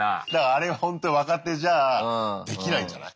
あれほんと若手じゃあできないんじゃない？